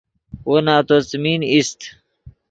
وو نتو څیمین ایست